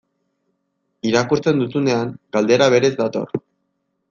Irakurtzen duzunean, galdera berez dator.